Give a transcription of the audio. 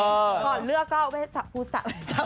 ก่อนเลือกก็เวสะภูสะ